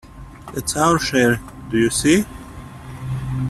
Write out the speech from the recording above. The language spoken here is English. That's our share, do you see?